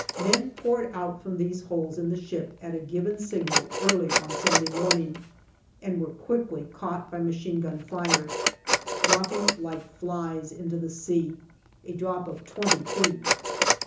Men poured out from these holes in the ship at a given signal early on Sunday morning, and were quickly caught by machine gun fire, dropping like flies into the sea, a 48 GALLIPOLI DIARY drop of 20 feet.